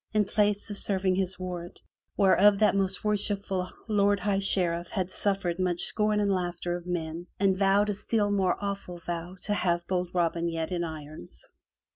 in place of serving his warrant, whereof that most worshipful Lord High Sheriff had suffered much scorn and laughter of men, and vowed a still more awful vow to have bold Robin Hood yet in irons!